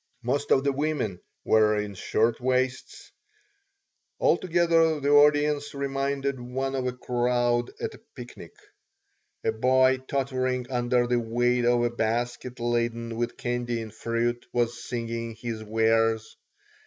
Most of the women were in shirt waists. Altogether the audience reminded one of a crowd at a picnic. A boy tottering under the weight of a basket laden with candy and fruit was singing his wares.